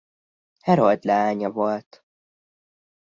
Harold leánya volt.